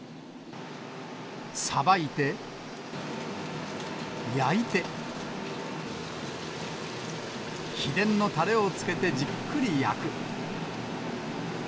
さばいて、焼いて、秘伝のたれをつけてじっくり焼く。